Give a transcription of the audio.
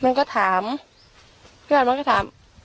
มันก็ถามเพื่อนบ้านก็ถาม